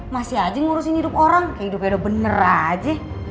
masih aja ngurusin hidup orang kayak hidupnya udah bener aja